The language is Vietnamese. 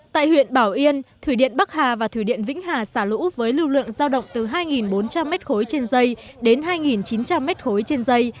tại huyện bảo yên thủy điện bắc hà và thủy điện vĩnh hà xả lũ với lưu lượng giao động từ hai bốn trăm linh m ba trên dây đến hai chín trăm linh m ba trên dây